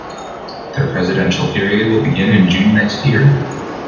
Their presidential period will begin in June next year.